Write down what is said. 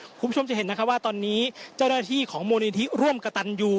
คุณผู้ชมจะเห็นนะคะว่าตอนนี้เจ้าหน้าที่ของมูลนิธิร่วมกระตันยู